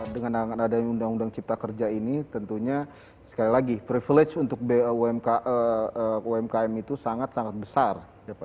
dengan adanya undang undang cipta kerja ini tentunya sekali lagi privilege untuk umkm itu sangat sangat besar